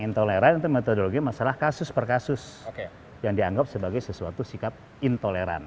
intoleran itu metodologi masalah kasus per kasus yang dianggap sebagai sesuatu sikap intoleran